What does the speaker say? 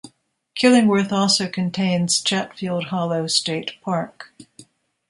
Killingworth also contains Chatfield Hollow State Park.